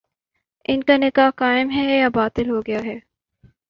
ان کا نکاح قائم ہے یا باطل ہو گیا ہے؟